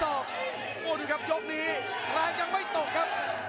โอ้โหดูครับยกนี้แรงยังไม่ตกครับ